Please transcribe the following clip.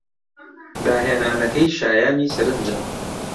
داهێنانەکەی شایانی سەرنجە.